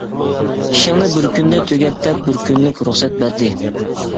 ئىشىڭنى بىر كۈندە تۈگەت دەپ بىر كۈنلۈك رۇخسەت بەردى.